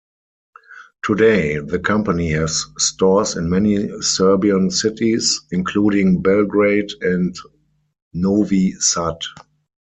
Today, the company has stores in many Serbian cities, including Belgrade and Novi Sad.